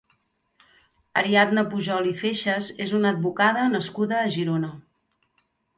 Ariadna Pujol i Feixas és una advocada nascuda a Girona.